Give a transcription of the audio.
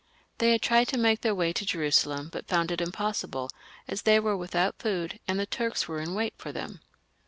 They had tried to make their i^y to Jerusalem, but found it impossible, as they were without food, and the Turks were in wait for them.